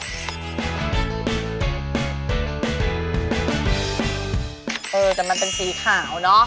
แต่มันเป็นสีขาวเนอะ